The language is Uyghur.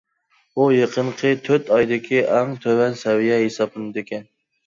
بۇ يېقىنقى تۆت ئايدىكى ئەڭ تۆۋەن سەۋىيە ھېسابلىنىدىكەن.